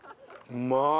うまい！